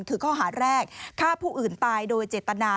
คือข้อหาแรกฆ่าผู้อื่นตายโดยเจตนา